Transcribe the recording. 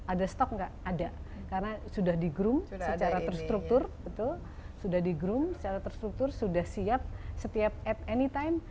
ada stok nggak ada karena sudah di groom secara terstruktur betul sudah di groom secara terstruktur sudah siap setiap at anytime